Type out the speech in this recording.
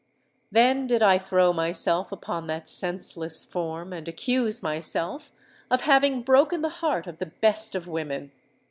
Then did I throw myself upon that senseless form, and accuse myself of having broken the heart of the best of women.